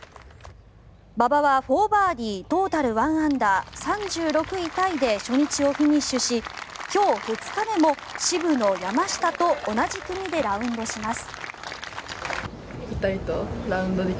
馬場は４バーディートータル１アンダー３６位タイで初日をフィニッシュし今日２日目も渋野、山下と同じ組でラウンドします。